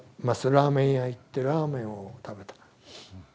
ラーメン屋行ってラーメンを食べた。